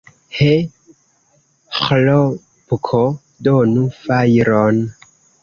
He, Ĥlopko, donu fajron!